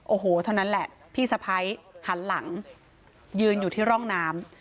โอ้โหเท่านั้นแหละพี่สะพ้ายหันหลังยืนอยู่ที่ร่องน้ำ